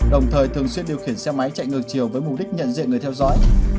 đồng thời thường xuyên điều khiển xe máy chạy ngược chiều với mục đích nhận diện người theo dõi